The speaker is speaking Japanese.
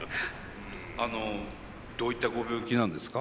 あのどういったご病気なんですか？